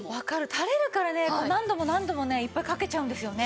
たれるからね何度も何度もねいっぱいかけちゃうんですよね。